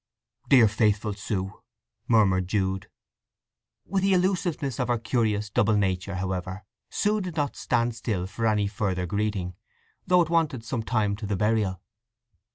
"Dear faithful Sue!" murmured Jude. With the elusiveness of her curious double nature, however, Sue did not stand still for any further greeting, though it wanted some time to the burial.